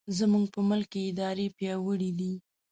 زموږ په ملک کې ادارې پیاوړې دي.